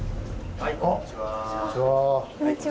あっこんにちは。